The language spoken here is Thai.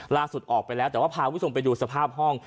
ออกไปแล้วแต่ว่าพาคุณผู้ชมไปดูสภาพห้อง